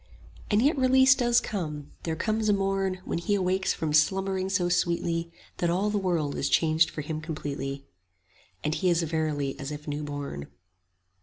10 And yet release does come; there comes a morn When he awakes from slumbering so sweetly That all the world is changed for him completely, And he is verily as if new born.